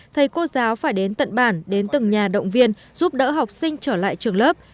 thầy cô giáo phải đến tận bản đến từng nhà động viên giúp đỡ học sinh trở lại trường lớp